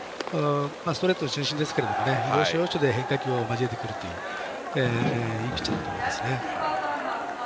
ストレート中心ですけど要所要所で変化球を交えてくるいいピッチャーだと思います。